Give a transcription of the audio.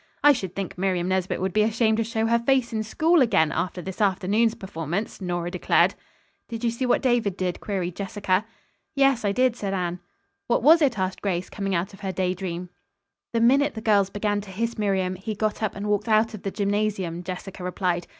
"I should think Miriam Nesbit would be ashamed to show her face in school, again, after this afternoon's performance," Nora declared. "Did you see what David did?" queried Jessica. "Yes, I did," said Anne. "What was it?" asked Grace, coming out of her day dream. "The minute the girls began to hiss Miriam, he got up and walked out of the gymnasium," Jessica replied.